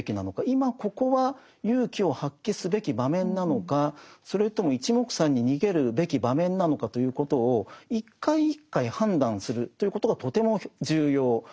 今ここは勇気を発揮すべき場面なのかそれともいちもくさんに逃げるべき場面なのかということを一回一回判断するということがとても重要なわけですね。